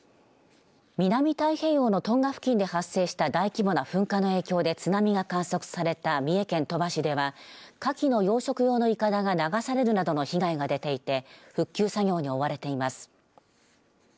南太平洋のトンガ付近で発生した大規模な噴火の影響で津波が観測された三重県鳥羽市ではカキの養殖用のいかだが流されるなどの被害が出ていて復旧作業に追われています。